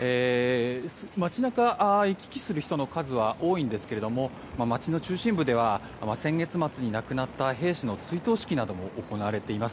街中、行き来する人の数は多いんですけれども街の中心部では先月末に亡くなった兵士の追悼式なども行われています。